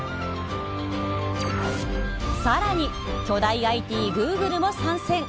更に巨大ＩＴグーグルも参戦。